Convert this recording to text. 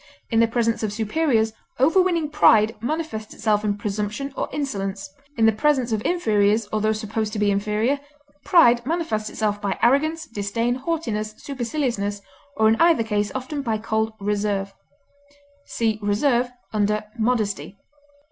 In the presence of superiors overweening pride manifests itself in presumption or insolence; in the presence of inferiors, or those supposed to be inferior, pride manifests itself by arrogance, disdain, haughtiness, superciliousness, or in either case often by cold reserve. (See RESERVE under MODESTY.)